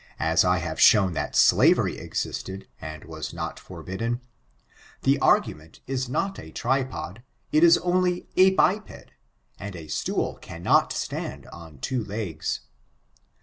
as I have shown that slavery existed, and was not forbidden, the argomeot is not a tripod — it is only a biped; and a stool cannot stand on two legs.